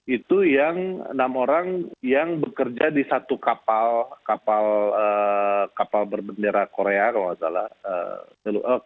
itu yang enam orang yang bekerja di satu kapal berbendera korea kalau tidak salah